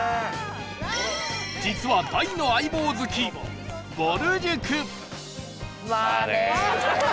実は大の『相棒』好きぼる塾